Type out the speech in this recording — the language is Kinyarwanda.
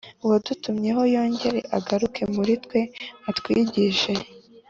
Wadutumyeho yongere agaruke muri twe atwigishe